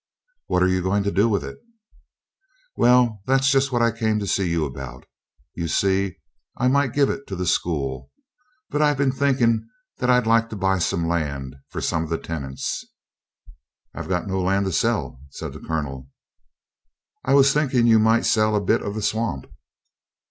"What are you going to do with it?" "Well, that's just what I came to see you about. You see, I might give it to the school, but I've been thinking that I'd like to buy some land for some of the tenants." "I've got no land to sell," said the Colonel. "I was thinking you might sell a bit of the swamp."